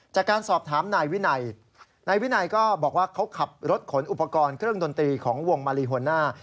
จากการสอบถามนายวินัยนายวินัยก็บอกว่าเขาขับรถขนอุปกรณ์เครื่องดนตรีของวงมาลีโฮน่า